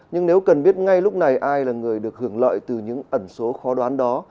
nhưng nếu cần biết ngay lúc này ai là người được hưởng lợi từ những ẩn số khó đoán đó